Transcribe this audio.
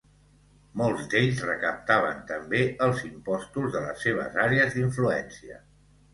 Molts d'ells recaptaven també els impostos de les seves àrees d'influència.